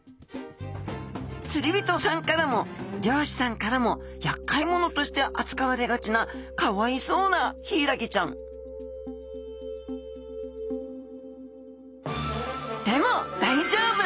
釣り人さんからも漁師さんからもやっかい者として扱われがちなかわいそうなヒイラギちゃんでも大丈夫！